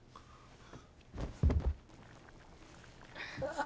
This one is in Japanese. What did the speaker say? ああ。